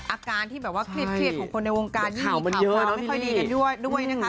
อาการที่แบบว่าเครียดของคนในวงการยิ่งมีข่าวมาไม่ค่อยดีกันด้วยนะคะ